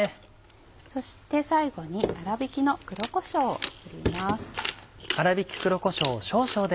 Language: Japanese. そして最後に粗びきの黒こしょうを振ります。